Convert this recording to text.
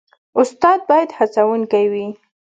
استاد باید هڅونکی وي